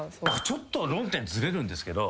ちょっと論点ずれるんですけど。